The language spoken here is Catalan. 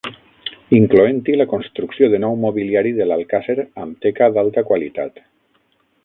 Incloent-hi la construcció de nou mobiliari de l'alcàsser amb teca d'alta qualitat.